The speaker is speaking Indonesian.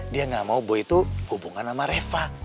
dia gak mau gue itu hubungan sama reva